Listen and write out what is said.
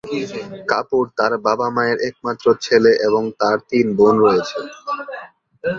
কাপুর তার বাবা-মায়ের একমাত্র ছেলে এবং তার তিন বোন রয়েছে।